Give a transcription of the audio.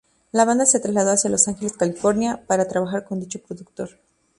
La banda se trasladó hacia Los Ángeles, California, para trabajar con dicho productor.